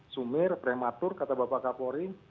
sumir prematur kata bapak kapolri